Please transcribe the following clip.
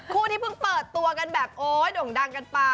ที่เพิ่งเปิดตัวกันแบบโอ๊ยด่งดังกันไป